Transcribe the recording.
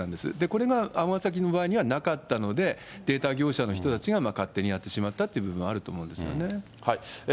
これが尼崎の場合にはなかったので、データ業者の人たちが勝手にやってしまったという部分はあると思うんですよね。